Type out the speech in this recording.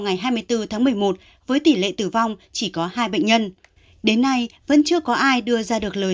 ngày hai mươi bốn tháng một mươi một với tỷ lệ tử vong chỉ có hai bệnh nhân đến nay vẫn chưa có ai đưa ra được lời